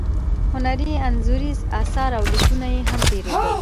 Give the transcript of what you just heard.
هنري انځوریز اثار او لیکونه یې هم پیرودل.